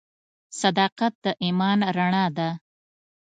• صداقت د ایمان رڼا ده.